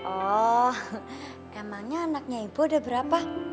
oh emangnya anaknya ibu ada berapa